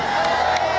ya kan saudara